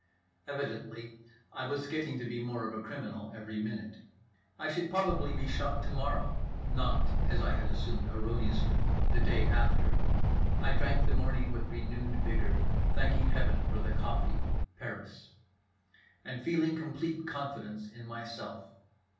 Evidently I was getting to be more of a criminal every minute; I should probably be shot to morrow, not (as I had assumed erroneously) the day after. I drank the morning with renewed vigor, thanking heaven for the coffee, Paris; and feeling complete confidence in myself.